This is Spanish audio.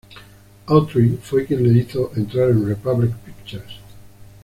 Autry fue quien le hizo entrar en Republic Pictures.